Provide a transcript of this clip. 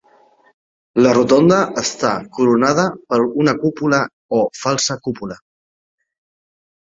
La rotonda està coronada per una cúpula o falsa cúpula.